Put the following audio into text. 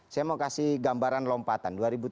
saya mau kasih gambaran lompatan